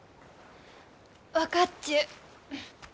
分かっちゅう。